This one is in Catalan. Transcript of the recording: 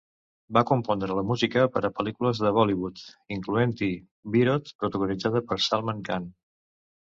Va compondre la música per a pel·lícules de Bollywood, incloent-hi Virod, protagonitzada per Salman Khan.